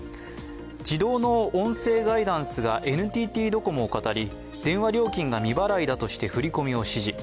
自動の音声ガイダンスがＮＴＴドコモをかたり、電話料金が未払いだとして振り込みを指示。